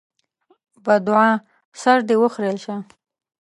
بدوعا: سر دې وخرېيل شه!